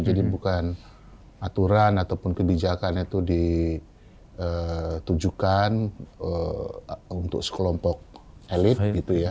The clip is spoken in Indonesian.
jadi bukan aturan ataupun kebijakan itu ditujukan untuk sekelompok elit gitu ya